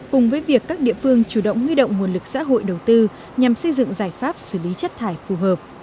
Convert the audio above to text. cùng với việc các địa phương chủ động huy động nguồn lực xã hội đầu tư nhằm xây dựng giải pháp xử lý chất thải phù hợp